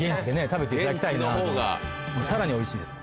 食べていただきたいなと現地のほうがさらに美味しいです